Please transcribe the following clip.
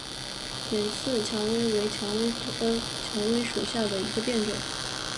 扁刺蔷薇为蔷薇科蔷薇属下的一个变种。